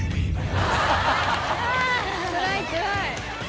つらいつらい。